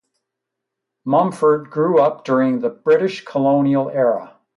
Mumford grew up during the British colonial era.